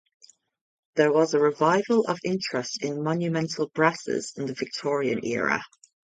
There was a revival of interest in monumental brasses in the Victorian era.